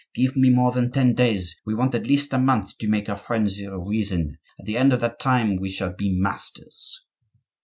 Give me more than ten days; we want at least a month to make our friends hear reason. At the end of that time we shall be masters."